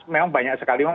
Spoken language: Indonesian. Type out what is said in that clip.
memang banyak sekali orang